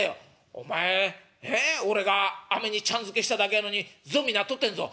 「お前え？俺がアメにちゃんづけしただけやのにゾンビなっとってんぞ」。